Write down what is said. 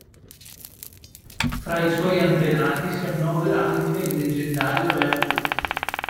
Fra i suoi antenati si annovera anche il leggendario Re Artù.